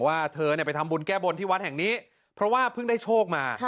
ว่าเธอไปทำบุญแก้บนที่วัดแห่งนี้เพราะว่าเพิ่งได้โชคมา